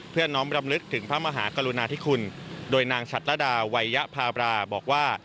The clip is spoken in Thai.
น้อมรำลึกถึงพระมหากรุณาธิคุณโดยนางชัตรดาวัยยภาบราบอกว่า